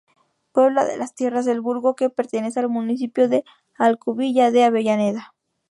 Pueblo de la Tierras del Burgo que pertenece al municipio de Alcubilla de Avellaneda.